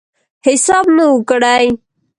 حساب نه وو کړی.